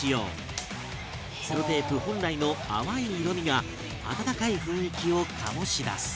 セロテープ本来の淡い色味が温かい雰囲気を醸し出す